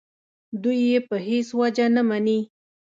دوی یې په هېڅ وجه نه مني.